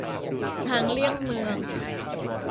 ทางเลี่ยงเมือง